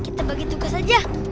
kita bagi tugas aja